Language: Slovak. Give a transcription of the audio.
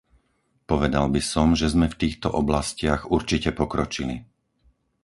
Povedal by som, že sme v týchto oblastiach určite pokročili.